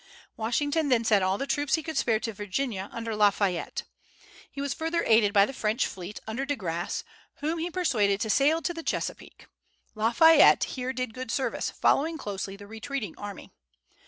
Washington then sent all the troops he could spare to Virginia, under La Fayette. He was further aided by the French fleet, under De Grasse, whom he persuaded to sail to the Chesapeake. La Fayette here did good service, following closely the retreating army.